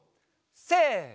せの。